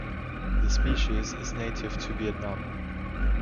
The species is native to Vietnam.